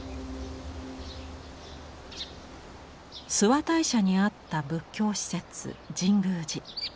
諏訪大社にあった仏教施設神宮寺。